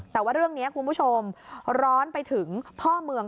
แต่ว่าเรื่องนี้คุณผู้ชมร้อนไปถึงพ่อเมือง